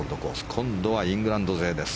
今度はイングランド勢です。